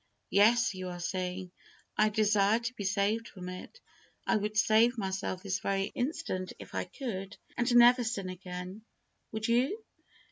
"Yes," you are saying, "I desire to be saved from it. I would save myself this very instant if I could, and never sin again." Would you?